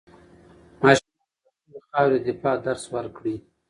ماشومانو ته د خپلې خاورې د دفاع درس ورکړئ.